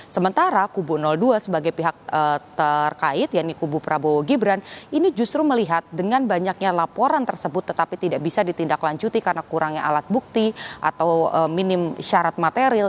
sementara kubu dua sebagai pihak terkait yaitu kubu prabowo gibran ini justru melihat dengan banyaknya laporan tersebut tetapi tidak bisa ditindaklanjuti karena kurangnya alat bukti atau minim syarat material